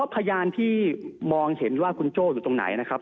พยานที่มองเห็นว่าคุณโจ้อยู่ตรงไหนนะครับ